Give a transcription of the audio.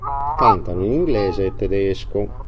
Cantano in inglese e tedesco.